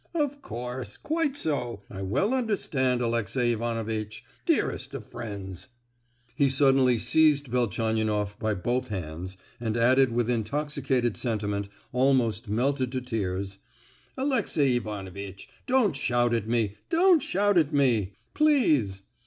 Of course, quite so; I well understand, Alexey Ivanovitch—dearest of friends!" He suddenly seized Velchaninoff by both hands, and added with intoxicated sentiment, almost melted to tears, "Alexey Ivanovitch, don't shout at me—don't shout at me, please!